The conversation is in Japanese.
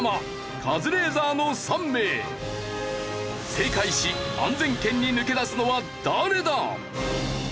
正解し安全圏に抜け出すのは誰だ！？